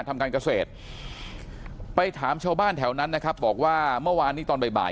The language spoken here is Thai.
ทำการเกษตรไปถามชาวบ้านแถวนั้นนะครับบอกว่าเมื่อวานนี้ตอนบ่าย